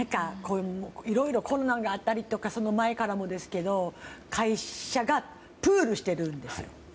いろいろ混乱があったりとかその前からですけど会社がお金をプールしてるんですよ。